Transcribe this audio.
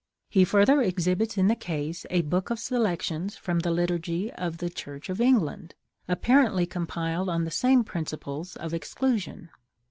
He further exhibits in the case a book of selections from the liturgy of the Church of England, apparently compiled on the same principle of exclusion..